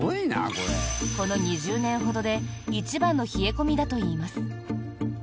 この２０年ほどで一番の冷え込みだといいます。